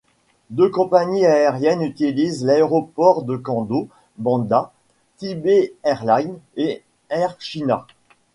Deux compagnies aériennes utilisent l'aéroport de Qamdo Bamda: Tibet Airlines et Air China.